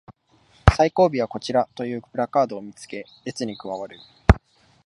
最後尾はこちらというプラカードを見つけ列に加わる